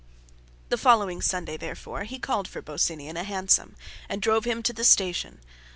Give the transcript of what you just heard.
The following Sunday therefore he called for Bosinney in a hansom, and drove him to the station.